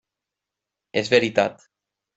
És veritat.